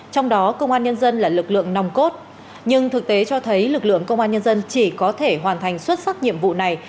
trong đó công an nhân dân là lực lượng nòng cốt nhưng thực tế cho thấy lực lượng công an nhân dân chỉ có thể hoàn thành xuất sắc nhiệm vụ này